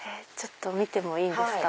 見てもいいですか？